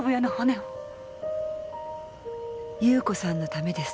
優子さんのためです。